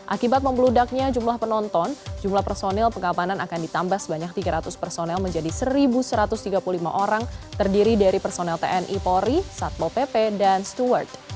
akibat membludaknya jumlah penonton jumlah personil pengamanan akan ditambah sebanyak tiga ratus personel menjadi satu satu ratus tiga puluh lima orang terdiri dari personel tni polri satpol pp dan steward